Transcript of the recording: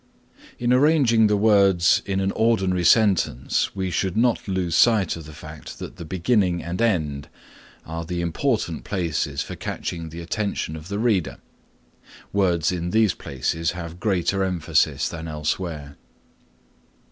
In arranging the words in an ordinary sentence we should not lose sight of the fact that the beginning and end are the important places for catching the attention of the reader. Words in these places have greater emphasis than elsewhere.